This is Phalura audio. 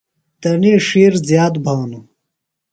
تنی ڇِھیر زِیات بھانوۡ۔